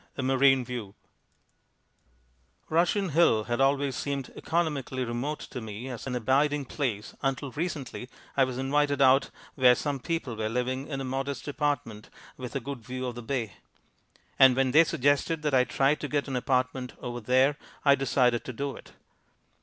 A Marine View Russian Hill had always seemed economically remote to me as an abiding place until recently I was invited out where some people were living in a modest apartment with a good view of the bay. And when they suggested that I try to get an apartment over there I decided to do it.